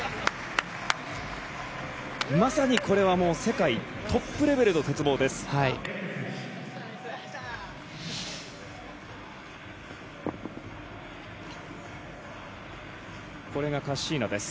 まさにこれは世界トップレベルの鉄棒です。